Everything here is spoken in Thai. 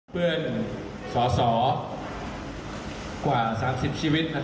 เพื่อนสอสอกว่า๓๐ชีวิต